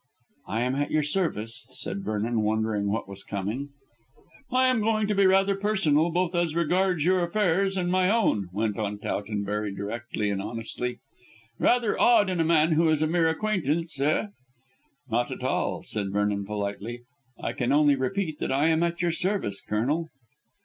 "I am at your service," said Vernon, wondering what was coming. "I am going to be rather personal, both as regards your affairs and my own," went on Towton very directly and honestly. "Rather odd in a man who is a mere acquaintance, eh?" "Not at all," said Vernon politely; "I can only repeat that I am at your service, Colonel."